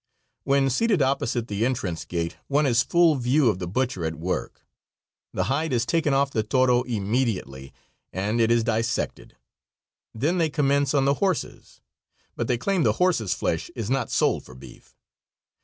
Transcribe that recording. When seated opposite the entrance gate one has full view of the butcher at work. The hide is taken off the toro immediately, and it is dissected. Then they commence on the horses, but they claim the horses' flesh is not sold for beef.